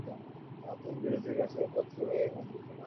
তখন বিনোদিনীর কাছ হইতে পত্রোত্তর পাইয়া তাহার মন বিকল হইয়া উঠিয়াছিল।